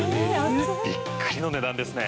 びっくりの値段ですね。